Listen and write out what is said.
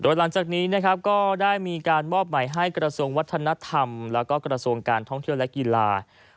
หลังจากนี้นะครับก็ได้มีการมอบหมายให้กระทรวงวัฒนธรรมแล้วก็กระทรวงการท่องเที่ยวและกีฬา